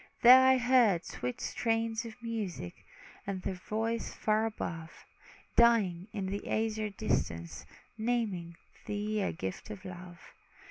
There I heard sweet strains of music, And their voices far above, Dying in the azure distance, Naming thee a gift of love.